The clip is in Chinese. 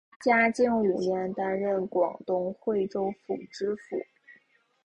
嘉靖五年担任广东惠州府知府。